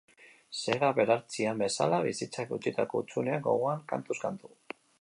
Segak belartzian bezala, bizitzak utzitako hutsuneak gogoan, kantuz kantu.